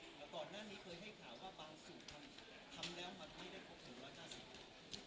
และก่อนหน้านี้เคยให้ข่าวว่าบางสูตรทำแล้วมันนี้ได้ปกติ๑๕๐